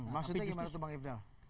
maksudnya gimana tuh bang ifdal